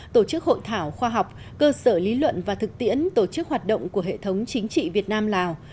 tổ chức hội thảo khoa học cơ sở lý luận và thực tiễn tổ chức hoạt động của hệ thống chính trị việt nam lào